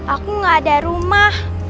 aku gak ada rumah